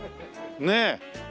ねえ。